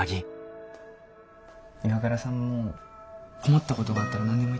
岩倉さんも困ったことがあったら何でも言って。